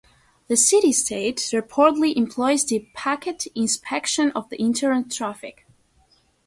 The city state reportedly employs deep packet inspection of Internet traffic.